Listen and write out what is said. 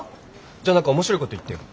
じゃあ何か面白いこと言ってよ。